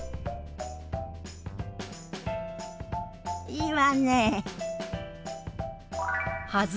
いいわね。